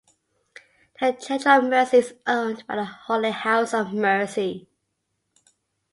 The Church of Mercy is owned by the Holy House of Mercy.